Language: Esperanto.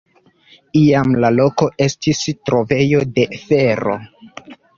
Iam la loko estis trovejo de fero.